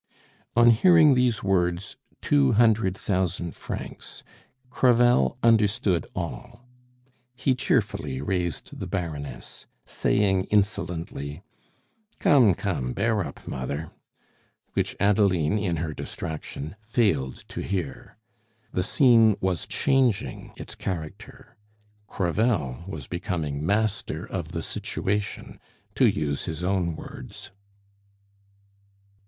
On hearing these words, "Two hundred thousand francs," Crevel understood all. He cheerfully raised the Baroness, saying insolently: "Come, come, bear up, mother," which Adeline, in her distraction, failed to hear. The scene was changing its character. Crevel was becoming "master of the situation," to use his own words.